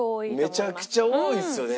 めちゃくちゃ多いですよね。